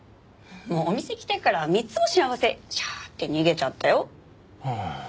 お店来てから３つも幸せシャーッて逃げちゃったよ。